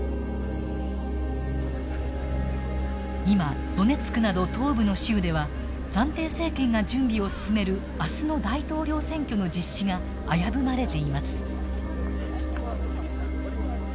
今ドネツクなど東部の州では暫定政権が準備を進める明日の大統領選挙の実施が危ぶまれています。